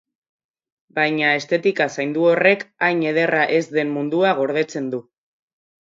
Baina estetika zaindu horrek hain ederra ez den mundua gordetzen du.